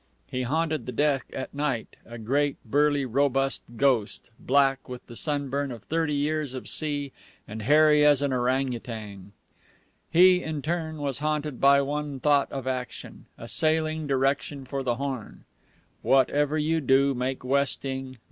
He haunted the deck at night, a great, burly, robust ghost, black with the sunburn of thirty years of sea and hairy as an orang utan. He, in turn, was haunted by one thought of action, a sailing direction for the Horn: _Whatever you do, make westing!